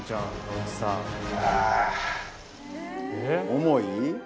重い？